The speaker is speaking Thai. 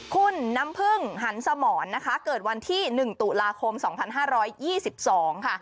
คุณน้ำพึ่งหันสมรนะคะเกิดวันที่๑ตุลาคม๒๕๒๒ค่ะ